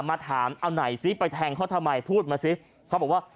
มาถามเอาไหนซิไปแทงเขาทำไมพูดมาซิเขาบอกว่า